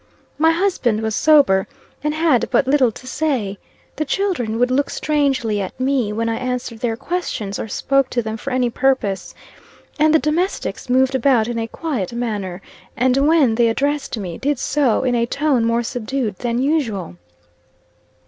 My husband was sober, and had but little to say; the children would look strangely at me when I answered their questions or spoke to them for any purpose, and the domestics moved about in a quiet manner, and when they addressed me, did so in a tone more subdued than usual.